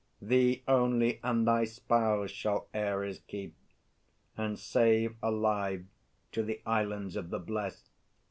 Thee only and thy spouse shall Ares keep, And save alive to the Islands of the Blest.